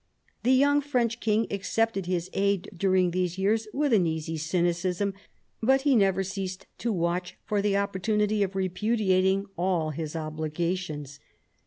The young French king accepted his aid during these years with an easy cynicism, but he never ceased to watch for the opportunity of repudiating all his obligations.